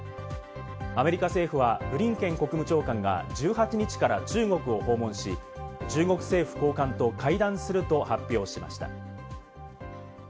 アメリカ政府は、ブリンケン国務長官が１８日から中国を訪問し、中国政府高官と会談すると発表しました。